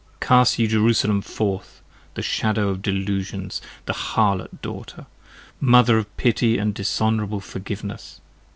Cast ye Jerusalem forth! The Shadow of delusions! The Harlot daughter! Mother of pity and dishonourable forgiveness!